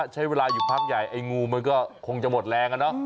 ใช้เวลาอยู่พักใหญ่ไอ้งูมันก็คงจะหมดแรงอะเนาะ